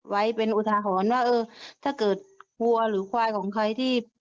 ไว้เป็นอุทาหรณ์ว่าเออถ้าเกิดวัวหรือควายของใครที่